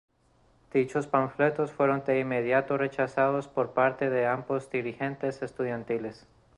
Dichos panfletos fueron de inmediato rechazados por parte de ambos dirigentes estudiantiles.